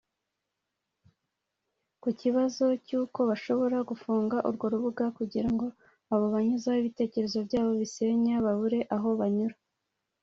Ku kibazo cyuko bashobora gufunga urwo rubuga kugira ngo abo banyuzaho ibitekerezo byabo bisenya babure aho banyura